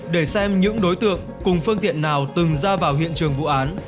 để xem những đối tượng cùng phương tiện nào từng ra vào hiện trường vụ án